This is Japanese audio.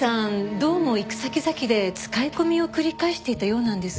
どうも行く先々で使い込みを繰り返していたようなんですが。